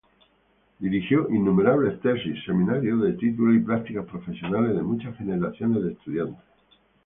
Dirigió innumerables tesis, seminarios de título y prácticas profesionales de muchas generaciones de estudiantes.